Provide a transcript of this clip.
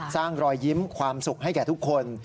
รอยยิ้มความสุขให้แก่ทุกคน